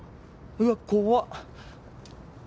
うわっ怖っ。